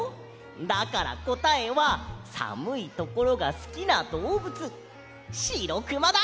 だからこたえはさむいところがすきなどうぶつしろくまだ！